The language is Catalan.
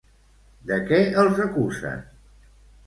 De què els acusen?